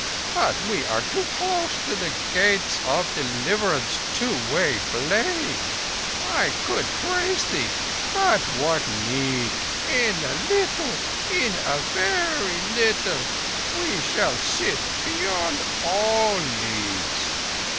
But we are too close to the Gates of Deliverance to weigh blame. I could praise thee, but what need? In a little—in a very little—we shall sit beyond all needs."